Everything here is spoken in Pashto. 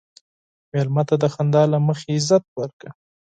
مېلمه ته د خندا له مخې عزت ورکړه.